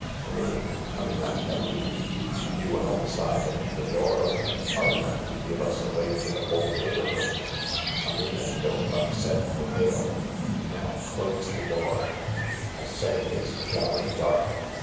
Come in— come in, I tell you t You outside and the door open are enough to give us away to the whole neighbourhood. Come in and don't upset the pail. Now close the door. I say, it's jolly dark!